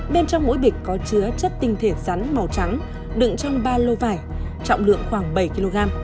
bên trong mỗi bịch có chứa chất tinh thể rắn màu trắng đựng trong ba lô vải trọng lượng khoảng bảy kg